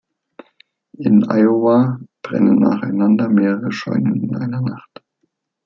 In Iowa brennen nacheinander mehrere Scheunen in einer Nacht.